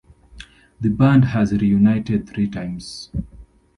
The band has reunited three times.